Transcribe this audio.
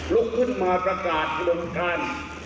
ลุกขึ้นมาประกาศบนการ